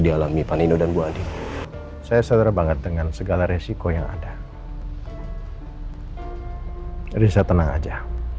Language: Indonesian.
dialami panino dan bu adi saya saudara banget dengan segala resiko yang ada riza tenang aja